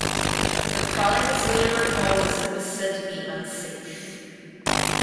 The product was later recalled as it was said to be unsafe.